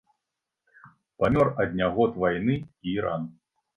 Памёр ад нягод вайны і ран.